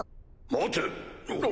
待て。